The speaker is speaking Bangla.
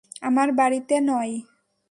আমার বাড়িতে নয়।